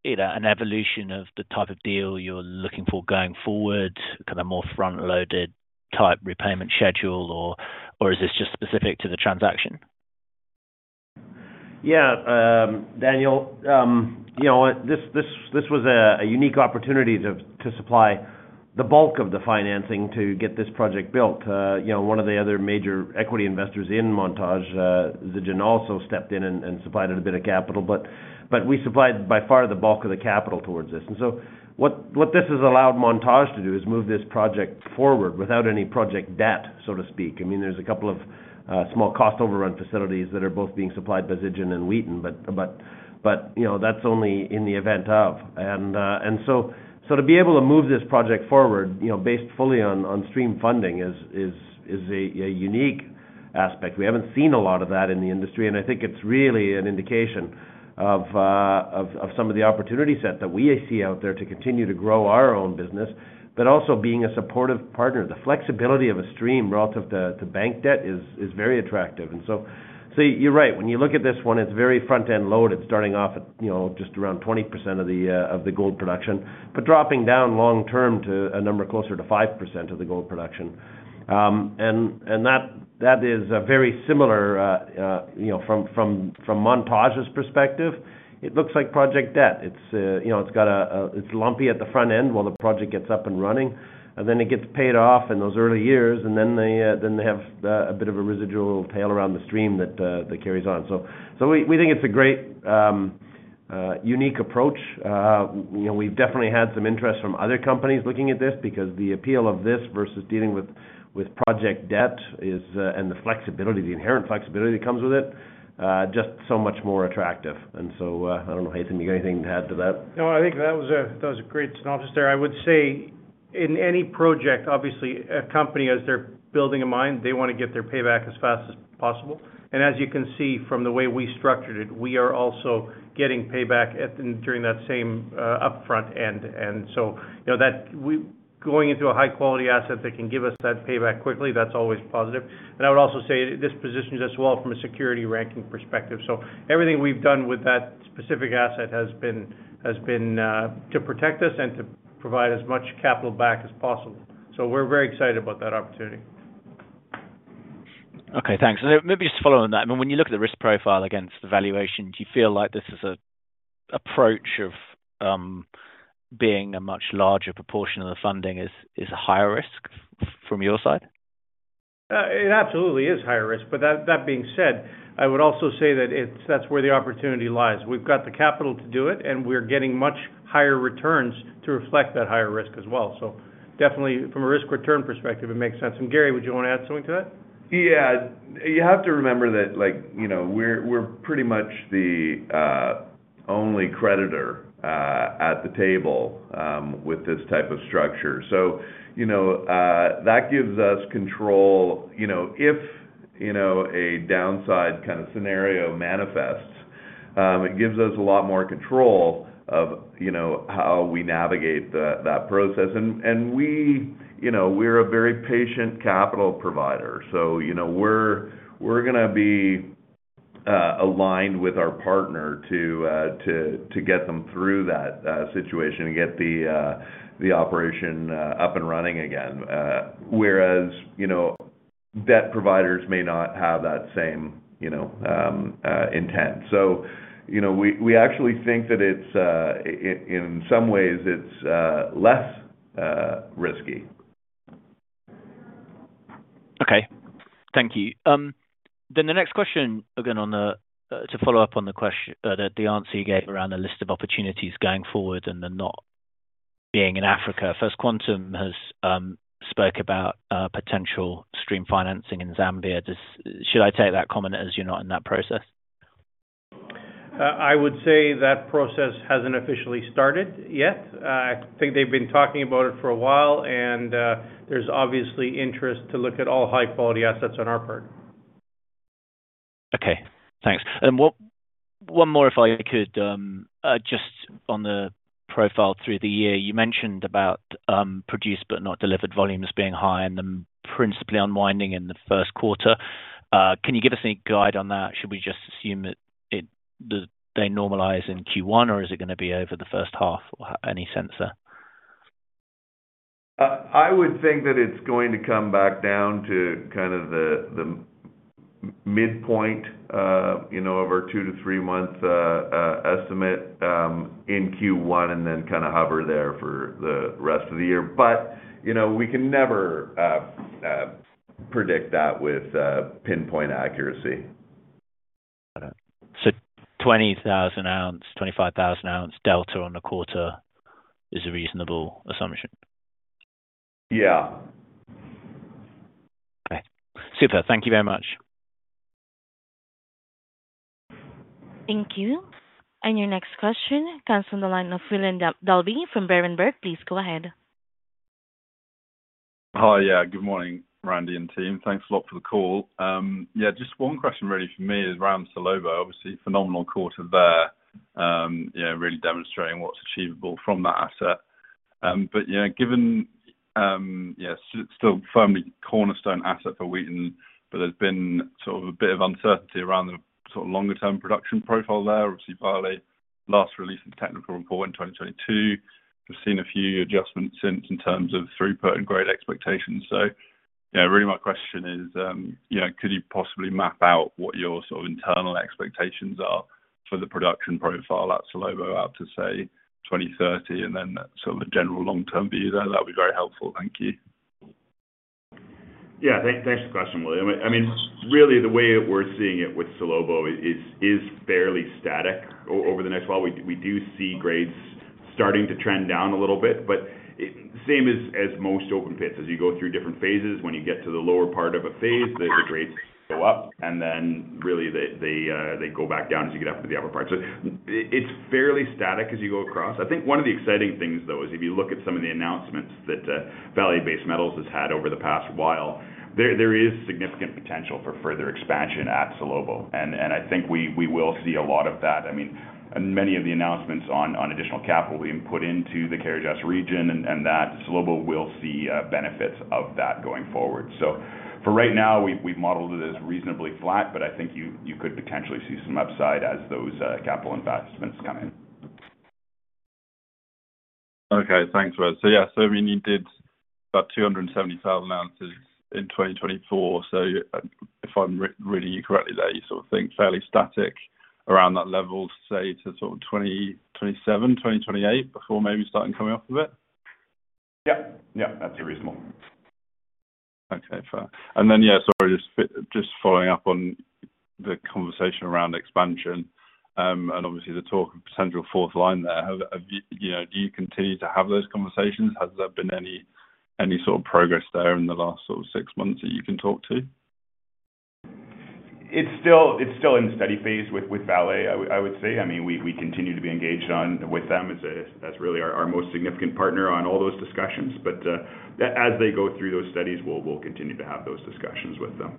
an evolution of the type of deal you're looking for going forward, kind of more front-loaded type repayment schedule, or is this just specific to the transaction? Yeah. Daniel, this was a unique opportunity to supply the bulk of the financing to get this project built. One of the other major equity investors in Montage, Zijin, also stepped in and supplied a bit of capital, but we supplied by far the bulk of the capital towards this. What this has allowed Montage to do is move this project forward without any project debt, so to speak. I mean, there are a couple of small cost overrun facilities that are both being supplied by Zijin and Wheaton, but that is only in the event of. To be able to move this project forward based fully on stream funding is a unique aspect. We have not seen a lot of that in the industry, and I think it is really an indication of some of the opportunity set that we see out there to continue to grow our own business, but also being a supportive partner. The flexibility of a stream relative to bank debt is very attractive. You are right. When you look at this one, it is very front-end loaded. It is starting off at just around 20% of the gold production, but dropping down long-term to a number closer to 5% of the gold production. That is very similar from Montage's perspective. It looks like project debt. It is lumpy at the front end while the project gets up and running, and then it gets paid off in those early years, and then they have a bit of a residual tail around the stream that carries on. We think it's a great, unique approach. We've definitely had some interest from other companies looking at this because the appeal of this versus dealing with project debt and the inherent flexibility that comes with it, just so much more attractive. I don't know, Haytham, you got anything to add to that? No, I think that was a great synopsis there. I would say in any project, obviously, a company, as they're building a mine, they want to get their payback as fast as possible. As you can see from the way we structured it, we are also getting payback during that same upfront end. Going into a high-quality asset that can give us that payback quickly, that's always positive. I would also say this positions us well from a security ranking perspective. Everything we've done with that specific asset has been to protect us and to provide as much capital back as possible. We are very excited about that opportunity. Okay. Thanks. Maybe just following that, I mean, when you look at the risk profile against the valuation, do you feel like this is an approach of being a much larger proportion of the funding is a higher risk from your side? It absolutely is higher risk. That being said, I would also say that that's where the opportunity lies. We've got the capital to do it, and we're getting much higher returns to reflect that higher risk as well. Definitely, from a risk-return perspective, it makes sense. Gary, would you want to add something to that? Yeah. You have to remember that we're pretty much the only creditor at the table with this type of structure. That gives us control. If a downside kind of scenario manifests, it gives us a lot more control of how we navigate that process. We're a very patient capital provider. We're going to be aligned with our partner to get them through that situation and get the operation up and running again, whereas debt providers may not have that same intent. We actually think that in some ways, it's less risky. Okay. Thank you. The next question, again, to follow up on the answer you gave around the list of opportunities going forward and then not being in Africa. First Quantum has spoke about potential stream financing in Zambia. Should I take that comment as you're not in that process? I would say that process hasn't officially started yet. I think they've been talking about it for a while, and there's obviously interest to look at all high-quality assets on our part. Okay. Thanks. One more, if I could, just on the profile through the year. You mentioned about produced but not delivered volumes being high and them principally unwinding in the first quarter. Can you give us any guide on that? Should we just assume that they normalize in Q1, or is it going to be over the first half or any sense there? I would think that it's going to come back down to kind of the midpoint of our two- to three-month estimate in Q1 and then kind of hover there for the rest of the year. We can never predict that with pinpoint accuracy. Got it. So 20,000 ounce, 25,000 ounce delta on the quarter is a reasonable assumption? Yeah. Okay. Super. Thank you very much. Thank you. Your next question comes from the line of William Dalby from Berenberg. Please go ahead. Hi. Yeah. Good morning, Randy and team. Thanks a lot for the call. Yeah. Just one question really for me is around Salobo, obviously, phenomenal quarter there, really demonstrating what's achievable from that asset. Given still firmly cornerstone asset for Wheaton, but there's been sort of a bit of uncertainty around the sort of longer-term production profile there. Obviously, Vale last released its technical report in 2022. We've seen a few adjustments since in terms of throughput and grade expectations. Really my question is, could you possibly map out what your sort of internal expectations are for the production profile at Salobo out to say 2030 and then sort of a general long-term view there? That would be very helpful. Thank you. Yeah. Thanks for the question, William. I mean, really, the way that we're seeing it with Salobo is fairly static over the next while. We do see grades starting to trend down a little bit, but same as most open pits. As you go through different phases, when you get to the lower part of a phase, the grades go up, and then really they go back down as you get up into the upper part. So it's fairly static as you go across. I think one of the exciting things, though, is if you look at some of the announcements that Vale Base Metals has had over the past while, there is significant potential for further expansion at Salobo. I think we will see a lot of that. I mean, many of the announcements on additional capital being put into the Carajás region and that Salobo will see benefits of that going forward. For right now, we've modeled it as reasonably flat, but I think you could potentially see some upside as those capital investments come in. Okay. Thanks, Wes. Yeah, we needed about 270,000 ounces in 2024. If I'm reading you correctly, you sort of think fairly static around that level, say, to 2027, 2028 before maybe starting coming off a bit? Yeah. Yeah. That's reasonable. Okay. Fair. Yeah, sorry, just following up on the conversation around expansion and obviously the talk of potential fourth line there, do you continue to have those conversations? Has there been any sort of progress there in the last sort of six months that you can talk to? It's still in steady phase with Vale, I would say. I mean, we continue to be engaged with them as really our most significant partner on all those discussions. As they go through those studies, we'll continue to have those discussions with them.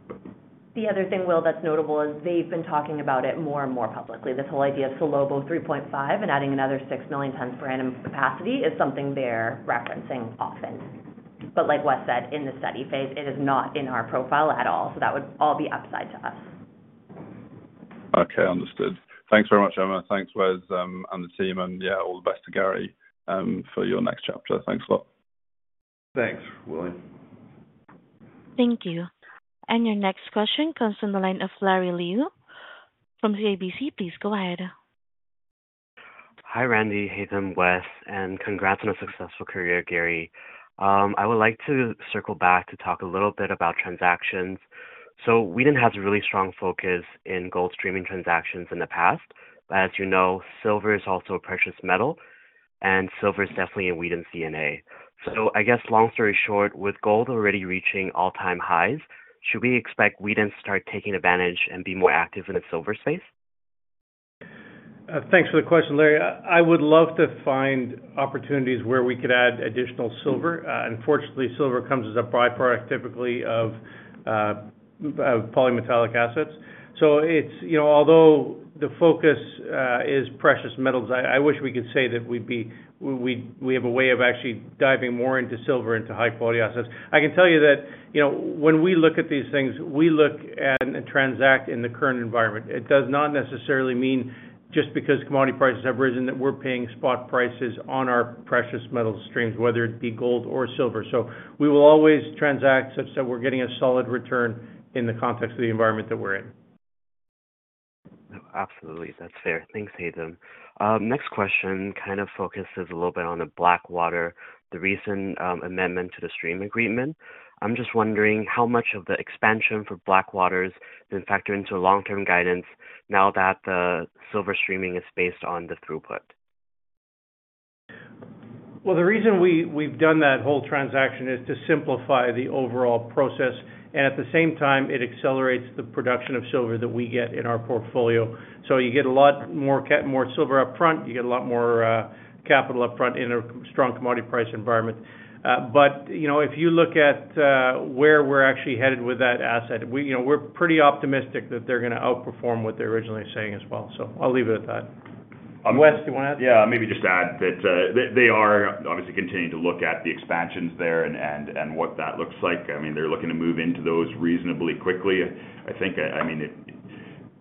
The other thing, Will, that's notable is they've been talking about it more and more publicly. This whole idea of Salobo 3.5 and adding another 6 million tons per annum capacity is something they're referencing often. Like Wes said, in the steady phase, it is not in our profile at all. That would all be upside to us. Okay. Understood. Thanks very much, Emma. Thanks, Wes and the team. All the best to Gary for your next chapter. Thanks a lot. Thanks, William. Thank you. Your next question comes from the line of Larry Liu from CIBC. Please go ahead. Hi, Randy, Haytham, Wes, and congrats on a successful career, Gary. I would like to circle back to talk a little bit about transactions. Wheaton has a really strong focus in gold streaming transactions in the past. As you know, silver is also a precious metal, and silver is definitely in Wheaton's DNA. I guess long story short, with gold already reaching all-time highs, should we expect Wheaton to start taking advantage and be more active in the silver space? Thanks for the question, Larry. I would love to find opportunities where we could add additional silver. Unfortunately, silver comes as a byproduct typically of polymetallic assets. Although the focus is precious metals, I wish we could say that we have a way of actually diving more into silver and to high-quality assets. I can tell you that when we look at these things, we look and transact in the current environment. It does not necessarily mean just because commodity prices have risen that we're paying spot prices on our precious metal streams, whether it be gold or silver. We will always transact such that we're getting a solid return in the context of the environment that we're in. Absolutely. That's fair. Thanks, Haytham. Next question kind of focuses a little bit on the Blackwater, the recent amendment to the stream agreement. I'm just wondering how much of the expansion for Blackwater has been factored into long-term guidance now that the silver streaming is based on the throughput? The reason we've done that whole transaction is to simplify the overall process. At the same time, it accelerates the production of silver that we get in our portfolio. You get a lot more silver upfront. You get a lot more capital upfront in a strong commodity price environment. If you look at where we're actually headed with that asset, we're pretty optimistic that they're going to outperform what they're originally saying as well. I'll leave it at that. Wes, do you want to add? Yeah. Maybe just add that they are obviously continuing to look at the expansions there and what that looks like. I mean, they're looking to move into those reasonably quickly, I think. I mean,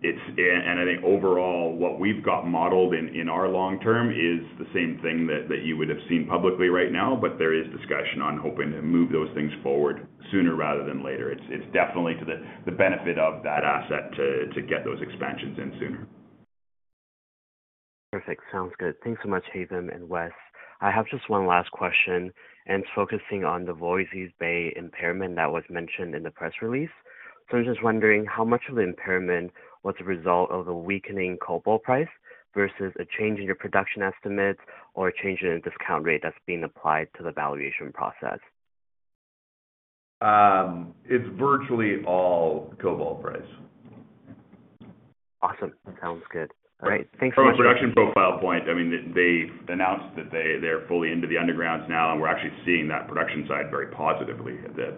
and I think overall, what we've got modeled in our long-term is the same thing that you would have seen publicly right now, but there is discussion on hoping to move those things forward sooner rather than later. It's definitely to the benefit of that asset to get those expansions in sooner. Perfect. Sounds good. Thanks so much, Haytham and Wes. I have just one last question. Focusing on the Voisey's Bay impairment that was mentioned in the press release, I'm just wondering how much of the impairment was a result of a weakening cobalt price versus a change in your production estimates or a change in a discount rate that's being applied to the valuation process? It's virtually all cobalt price. Awesome. Sounds good. All right. Thanks so much. From a production profile point, I mean, they announced that they're fully into the undergrounds now, and we're actually seeing that production side very positively at the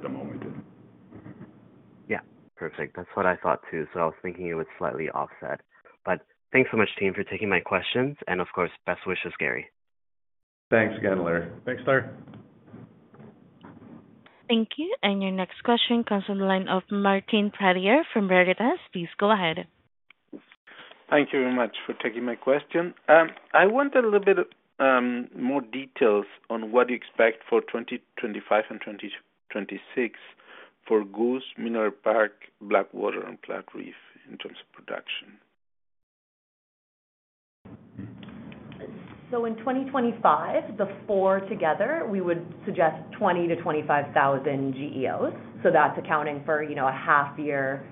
moment. Yeah. Perfect. That's what I thought too. I was thinking it would slightly offset. Thanks so much, team, for taking my questions. Of course, best wishes, Gary. Thanks again, Larry. Thanks, Larry. Thank you. Your next question comes from the line of Martin Pradier from Veritas. Please go ahead. Thank you very much for taking my question. I want a little bit more details on what you expect for 2025 and 2026 for Goose, Mineral Park, Blackwater, and Platreef in terms of production. In 2025, the four together, we would suggest 20,000 GEOs-25,000 GEOs. That's accounting for a half-year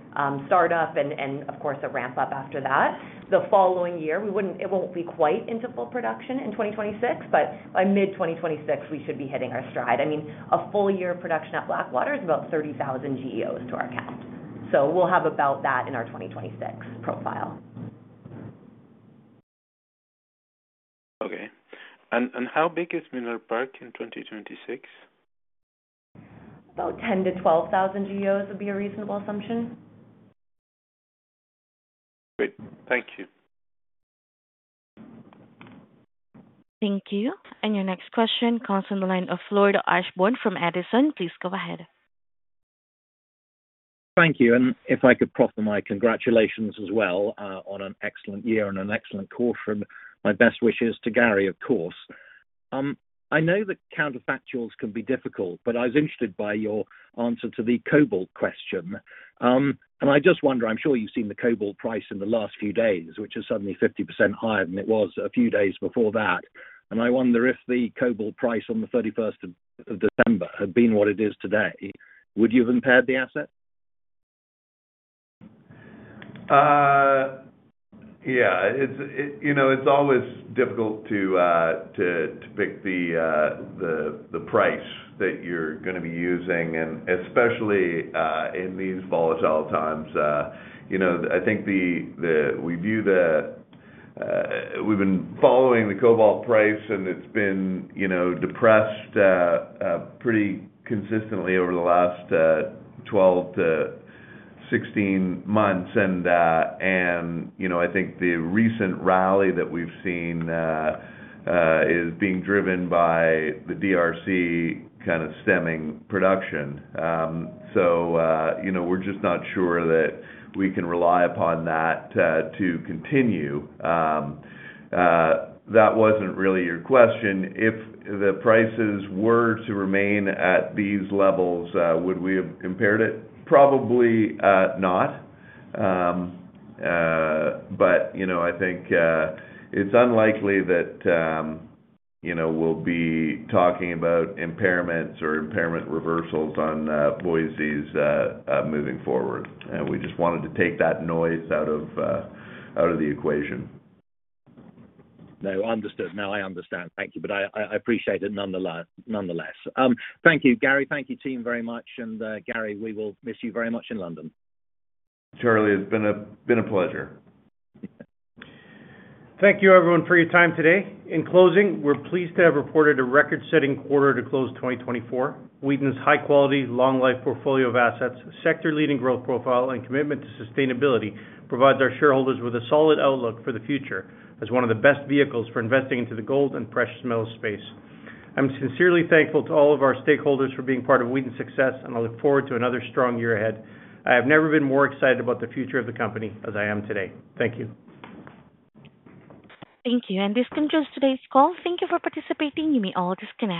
startup and, of course, a ramp-up after that. The following year, it won't be quite into full production in 2026, but by mid-2026, we should be hitting our stride. I mean, a full year of production at Blackwater is about 30,000 GEOs to our count. We'll have about that in our 2026 profile. Okay. How big is Mineral Park in 2026? About 10,000 GEOs-12,000 GEOs would be a reasonable assumption. Great. Thank you. Thank you. Your next question comes from the line of Lord Ashbourne from Edison. Please go ahead. Thank you. If I could prop them my congratulations as well on an excellent year and an excellent quarter. My best wishes to Gary, of course. I know that counterfactuals can be difficult, but I was interested by your answer to the cobalt question. I just wonder, I'm sure you've seen the cobalt price in the last few days, which is suddenly 50% higher than it was a few days before that. I wonder if the cobalt price on the 31st of December had been what it is today, would you have impaired the asset? Yeah. It's always difficult to pick the price that you're going to be using, especially in these volatile times. I think we view the we've been following the cobalt price, and it's been depressed pretty consistently over the last 12 to 16 months. I think the recent rally that we've seen is being driven by the DRC kind of stemming production. We're just not sure that we can rely upon that to continue. That wasn't really your question. If the prices were to remain at these levels, would we have impaired it? Probably not. I think it's unlikely that we'll be talking about impairments or impairment reversals on Voisey's moving forward. We just wanted to take that noise out of the equation. No. Understood. No, I understand. Thank you. I appreciate it nonetheless. Thank you, Gary. Thank you, team, very much. Gary, we will miss you very much in London. Surely, it's been a pleasure. Thank you, everyone, for your time today. In closing, we're pleased to have reported a record-setting quarter to close 2024. Wheaton's high-quality, long-life portfolio of assets, sector-leading growth profile, and commitment to sustainability provides our shareholders with a solid outlook for the future as one of the best vehicles for investing into the gold and precious metals space. I'm sincerely thankful to all of our stakeholders for being part of Wheaton's success, and I look forward to another strong year ahead. I have never been more excited about the future of the company as I am today. Thank you. Thank you. This concludes today's call. Thank you for participating. You may all disconnect.